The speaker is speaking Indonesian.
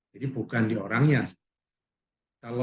jadi bukan di orangnya